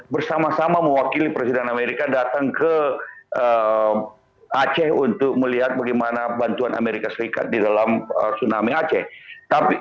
bersama sama mewakili presiden amerika datang ke aceh untuk melihat bagaimana bantuan amerika serikat di dalam tsunami aceh